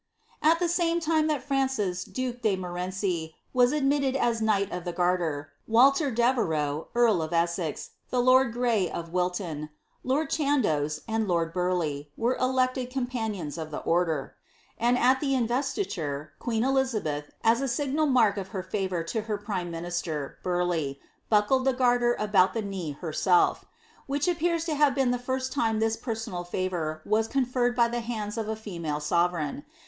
At the same time that Francis duke de Montmorenci was admitted as koight of the Garter, Walter Devereux, earl of Essex, the lord Grey of Wilton, lord Chandos, and lord Burleigh, were elected companions of the order ; and at the investiture, queen Elizabeth, as a signal mark of her favour to her prime minister, Burleigh, buckled the Garter about the knee herself; which appears to have been the first time this personal &four was conferred by the hands of a female sovereign.'